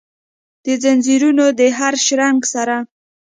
دځنځیرونو د هرشرنګ سره،